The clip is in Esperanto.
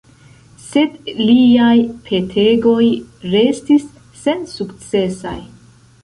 Sed liaj petegoj restis sensukcesaj.